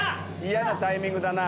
嫌なタイミングだな。